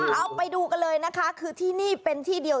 เอาไปดูกันเลยนะคะคือที่นี่เป็นที่เดียว